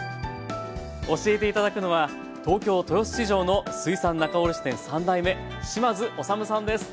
教えて頂くのは東京豊洲市場の水産仲卸店３代目島津修さんです。